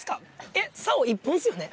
えっ竿１本ですよね？